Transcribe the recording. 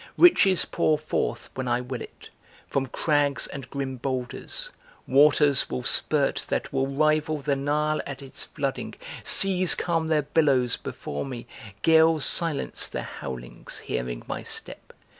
Riches pour forth, when I will it, from crags and grim boulders Waters will spurt that will rival the Nile at its flooding Seas calm their billows before me, gales silence their howlings, Hearing my step!